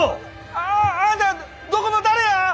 ああんたはどこの誰や！